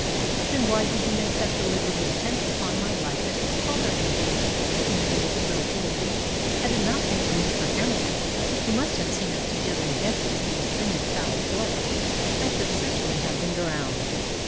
"Then why did you make that deliberate attempt upon my life at Fotheringhay?" demanded the girl boldly. "Had it not been for Mr. Hamilton, who must have seen us together and guessed that you intended foul play, I should certainly have been drowned."